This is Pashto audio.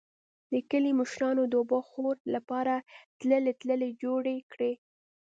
د کلي مشرانو د اوبهخور لپاره ټلۍ ټلۍ جوړې کړې.